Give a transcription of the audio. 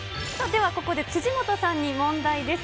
ではここで辻元さんに問題です。